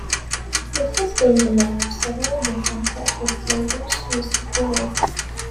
It has been the name of several different record labels, listed below.